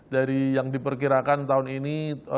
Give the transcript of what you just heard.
dari yang diperkirakan tahun ini